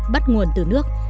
bắt nguồn từ nước